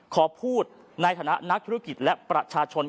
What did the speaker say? ขอพูดในฐานะนักธุรกิจและประชาชน